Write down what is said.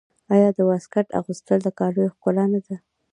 آیا د واسکټ اغوستل د کالیو ښکلا نه ده؟